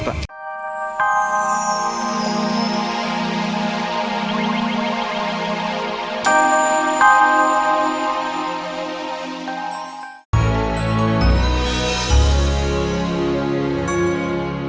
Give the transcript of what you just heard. terima kasih pak